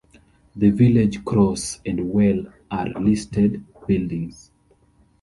The village cross and well are listed buildings.